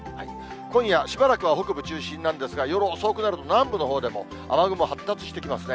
今夜、しばらくは北部中心なんですが、夜遅くなると、南部のほうでも雨雲発達してきますね。